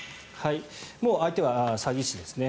もう相手は詐欺師ですね。